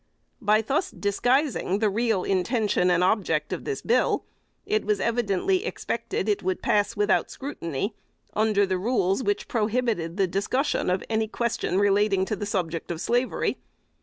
By thus disguising the real intention and object of the bill, it was evidently expected it would pass without scrutiny, under the rules which prohibited the discussion of all questions involving the subject of slavery.